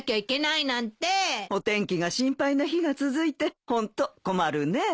お天気が心配な日が続いてホント困るねえ。